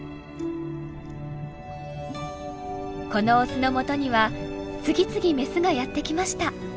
このオスのもとには次々メスがやって来ました。